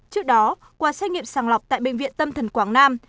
trước đó qua xét nghiệm sàng lọc tại bệnh viện tâm thần quảng nam